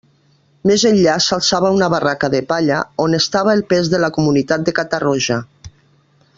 Més enllà s'alçava una barraca de palla, on estava el pes de la Comunitat de Catarroja.